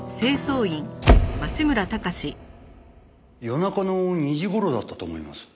夜中の２時頃だったと思います。